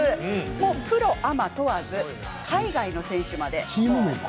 プロアマ問わず海外の選手まで。